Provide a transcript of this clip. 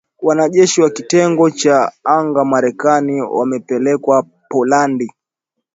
Wanajeshi wa kitengo cha anga Marekani wamepelekwa Poland.